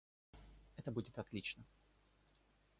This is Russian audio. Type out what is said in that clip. Это будет отлично.